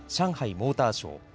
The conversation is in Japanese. モーターショー。